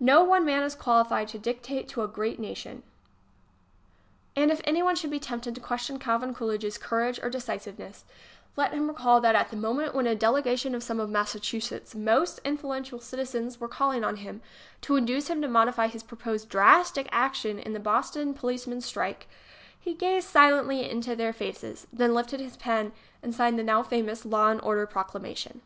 No one man is qualified to dictate to a great nation. I 2.0 ] HAVE FAITH IN COOLIDGE! And if anyone should be tempted to question Calvin Coolidge's courage or decisiveness, let him recall that at the moment when a delegation of some of Massachusetts' most influential citizens were calling on him, to induce him to modify his pro posed drastic action in the Boston policemen's strike, he gazed silently into their faces, then lifted his pen and signed the now famous Law and Order proclamation.